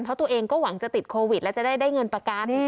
เพราะตัวเองก็หวังจะติดโควิดแล้วจะได้เงินประกัน